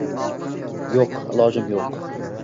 Yo'q, ilojim yo'q.